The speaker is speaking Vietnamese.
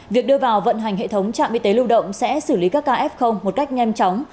việc đưa vào vận hành hệ thống trạm y tế lưu động sẽ xử lý các ca f một cách nhanh chóng